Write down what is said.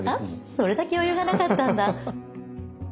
それだけ余裕がなかったんだ。